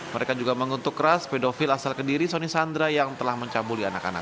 mereka juga menguntuk ras pedofil asal kediri soni sandra yang telah mencambul di anak anak